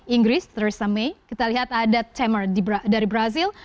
inggris theresa may kita lihat ada themer dari brazil